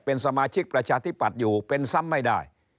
เป็นสมาชิกประชาธิปัตย์อยู่เป็นซ้ำไม่ได้